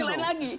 ini lain lagi